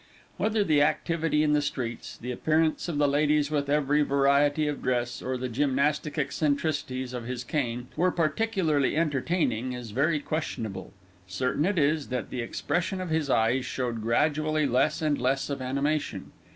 Whether the activity in the streets, the appearance of the ladies with every variety of dress, or the gymnastic eccentricities of his cane, were particularly entertaining, is very questionable; certain it is, that the expression of his eyes showed gradually less and less of animation.